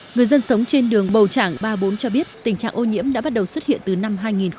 người dân sống trên đường bầu trảng ba mươi bốn cho biết tình trạng ô nhiễm đã bắt đầu xuất hiện từ năm hai nghìn một mươi